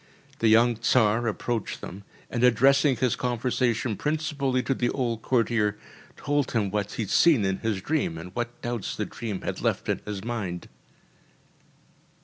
The young Tsar approached them, and addressing his conversation principally to the old courtier, told him what he had seen in his dream and what doubts the dream had left in his mind.